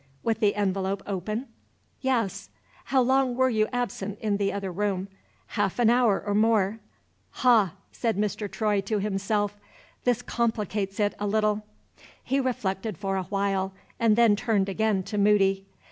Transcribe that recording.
"With the envelope open?" "Yes." "How long were you absent in the other room?" "Half an hour or more." "Ha!" said Mr. Troy to himself. "This complicates it a little." He reflected for a while, and then turned again to Moody.